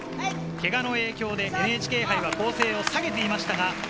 けがの影響でＮＨＫ杯は構成を下げていました。